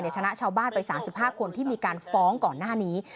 ชนะชาวบ้านไป๓๕คนที่มีการฟ้องก่อนหน้านี้